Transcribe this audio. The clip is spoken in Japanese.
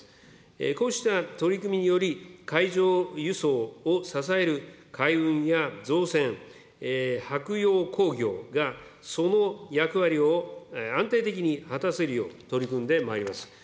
こうした取り組みにより、海上輸送を支える海運や造船、舶用工業がその役割を安定的に果たせるよう取り組んでまいります。